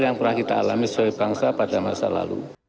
yang pernah kita alami sebagai bangsa pada masa lalu